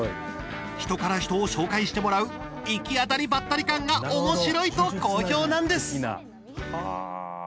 人から人を紹介してもらう行き当たりばったり感がおもしろいと好評なんです。